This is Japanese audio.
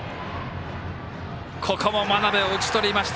ここも真鍋を打ち取りました。